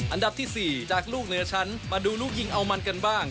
อันดับที่๔จากลูกเหนือชั้นมาดูลูกยิงเอามันกันบ้าง